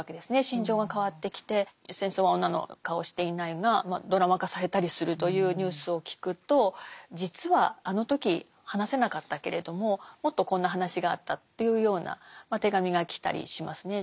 心情が変わってきて「戦争は女の顔をしていない」がドラマ化されたりするというニュースを聞くと実はあの時話せなかったけれどももっとこんな話があったというような手紙が来たりしますね。